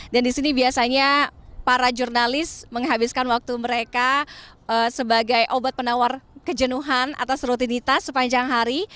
dan di sini biasanya para jurnalis menghabiskan waktu mereka sebagai obat penawar kejenuhan atas rutinitas sepanjang hari